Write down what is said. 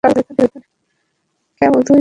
মারিয়াকে পাওয়ার আগে, হয়তো আমি বলতাম দুটো ভিন্ন।